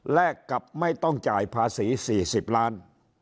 กับไม่ต้องจ่ายภาษี๔๐ล้าน